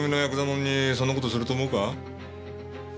もんにそんな事すると思うか？